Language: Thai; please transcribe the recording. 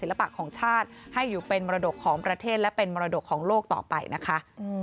และเป็นมรดกของโลกต่อไปนะคะ